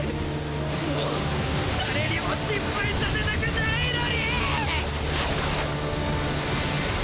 もう誰にも心配させたくないのに！